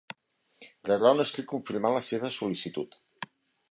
Rebrà un escrit confirmant la seva sol·licitud.